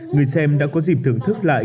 người xem đã có dịp thưởng thức lại